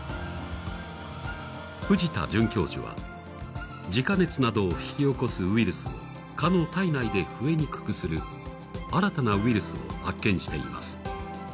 藤田准教授はジカ熱などを引き起こすウイルスを蚊の体内で増えにくくする新たなウイルスを発見しています。